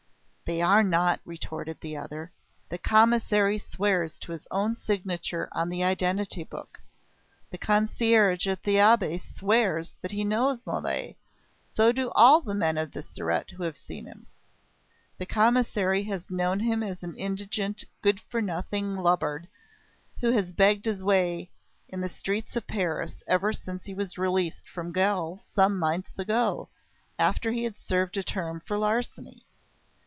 "They are not," retorted the other. "The Commissary swears to his own signature on the identity book. The concierge at the Abbaye swears that he knows Mole, so do all the men of the Surete who have seen him. The Commissary has known him as an indigent, good for nothing lubbard who has begged his way in the streets of Paris ever since he was released from gaol some months ago, after he had served a term for larceny.